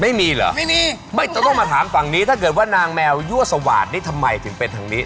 ไม่มีเหรอไม่มีไม่ต้องมาถามฝั่งนี้ถ้าเกิดว่านางแมวยั่วสวาสตนี่ทำไมถึงเป็นทางนี้